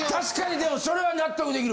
でもそれは納得できる。